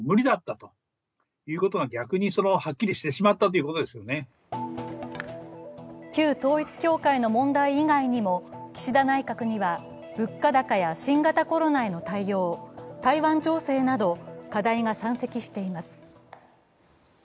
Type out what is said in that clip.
そのうえで旧統一教会の問題以外にも岸田内閣には物価高や新型コロナへの対応、台湾情勢など課題が山積しています。